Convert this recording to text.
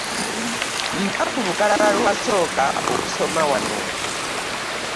Mpa ku lukalala lwe wasooka okusoma wano.